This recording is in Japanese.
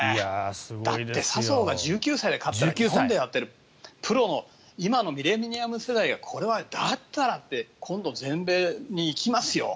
だって、笹生が１９歳で勝ったら日本でやってるプロの今のミレニアム世代がこれは、だったらって今度は全米に行きますよ。